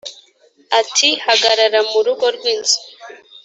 ati hagarara mu rugo rw’inzu